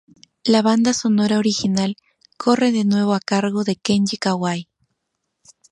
La banda sonora original corre de nuevo a cargo de Kenji Kawai.